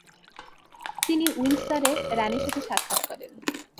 তিনি উইন্ডসরে রাণীর সাথে সাক্ষাত করেন।